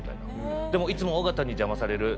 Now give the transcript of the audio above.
でもいつも尾形に邪魔される」。